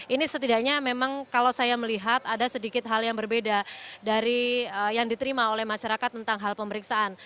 ini setidaknya memang kalau saya melihat ada sedikit hal yang berbeda dari yang diterima oleh masyarakat tentang hal pemeriksaan